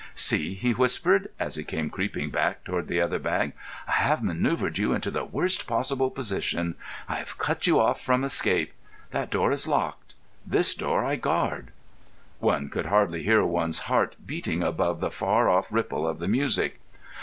"See!" he whispered, as he came creeping back towards the leather bag. "I have manœuvred you into the worst possible position. I have cut you off from escape. That door is locked. This door I guard." One could hear one's heart beating above the far off ripple of the music.